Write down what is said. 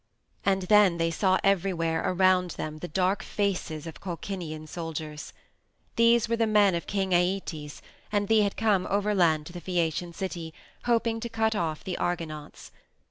And then they saw everywhere around them the dark faces of Colchian soldiers. These were the men of King Æetes, and they had come overland to the Phaeacian city, hoping to cut off the Argonauts.